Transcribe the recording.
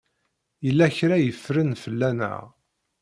Yella kra i ffren fell-aneɣ.